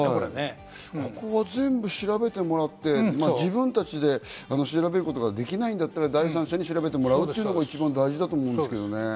ここは全部調べてもらって、自分たちで調べることができないなら第三者に調べてもらうということが大事だと思うんですけどね。